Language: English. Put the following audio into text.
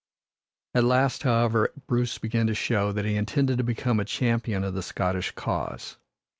At last, however, Bruce began to show that he intended to become a champion of the Scottish cause.